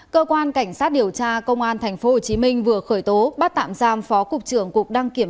cơ quan cảnh sát điều tra công an tp hcm vừa khởi tố bắt tạm giam phó cục trưởng cục đăng kiểm